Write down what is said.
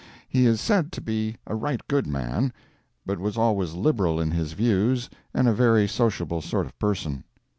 He is said to be a right good man, but was always liberal in his views and a very sociable sort of person.